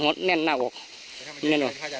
การแก้เคล็ดบางอย่างแค่นั้นเอง